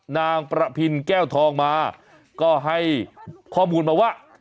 นางประพินแก้วทองมาก็ให้ข้อมูลมาว่า